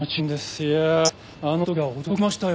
いやぁあの時は驚きましたよ。